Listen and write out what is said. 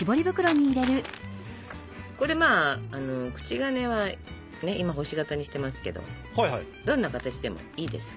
これまあ口金は今星形にしてますけどどんな形でもいいです。